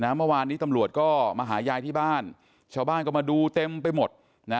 เมื่อวานนี้ตำรวจก็มาหายายที่บ้านชาวบ้านก็มาดูเต็มไปหมดนะ